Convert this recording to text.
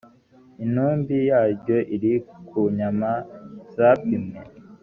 intumbi yaryo iri ku nyama zapimwe